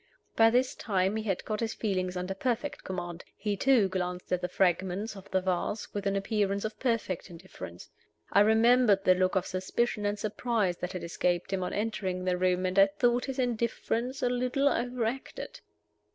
By this time he had got his feelings under perfect command. He, too, glanced at the fragments of the vase with an appearance of perfect indifference. I remembered the look of suspicion and surprise that had escaped him on entering the room, and I thought his indifference a little overacted.